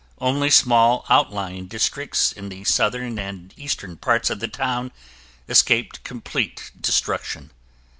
Only small outlying districts in the southern and eastern parts of the town escaped complete destruction.